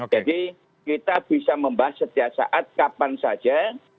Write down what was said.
jadi kita bisa membahas setiap saat kapan saja